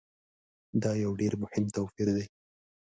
دا یو ډېر مهم توپیر دی.